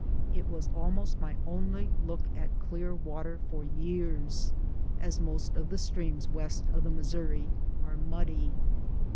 It was almost my only look at clear water for years, as most of the streams west of the Mis souri are muddy.